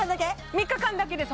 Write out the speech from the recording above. ３日間だけです